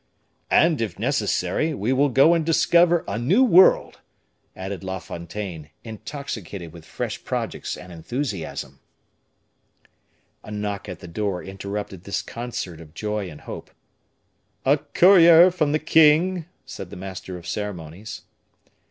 "And, if necessary, we will go and discover a new world," added La Fontaine, intoxicated with fresh projects and enthusiasm. A knock at the door interrupted this concert of joy and hope. "A courier from the king," said the master of the ceremonies.